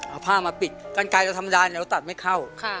เอาผ้ามาปิดกันไกลเราธรรมดาเราตัดไม่เข้า